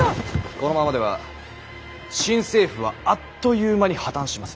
このままでは新政府はあっという間に破綻します。